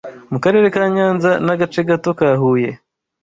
mu Karere ka Nyanza n’ agace gato ka Huye